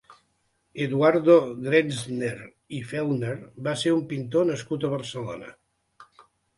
Eduardo Grenzner i Fellner va ser un pintor nascut a Barcelona.